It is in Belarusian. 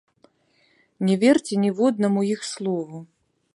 Не верце ніводнаму іх слову!